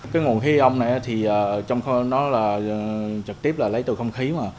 cái nguồn khí ion này thì trong nó là trực tiếp là lấy từ không khí mà